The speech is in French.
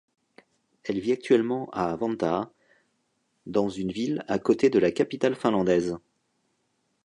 Elle vit actuellement à Vantaa, dans une ville à côté de la capitale finlandaise.